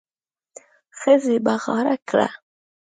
ښځې بغاره کړه.